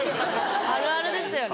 あるあるですよね。